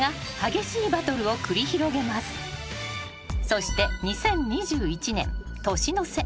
［そして２０２１年年の瀬］